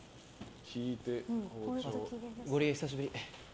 ゴリエ、久しぶり。